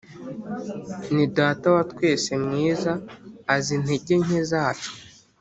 nidata watwese mwiza azi integenke zacu